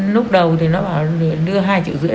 lúc đầu thì nó bảo đưa hai triệu rưỡi